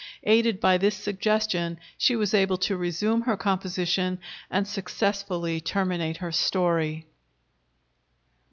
Aided by this suggestion she was able to resume her composition and successfully terminate her story.